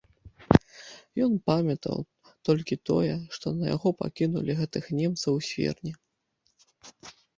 Ён памятаў толькі тое, што на яго пакінулі гэтых немцаў у свірне.